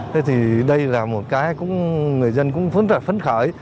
thế thì đây là một cái cũng người dân cũng rất là phấn khởi